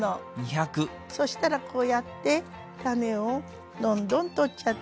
そしたらこうやって種をどんどん取っちゃって。